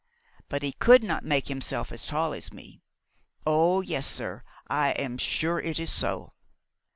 But he could not make himself as tall as me. Oh, yes, sir, I am sure it is so."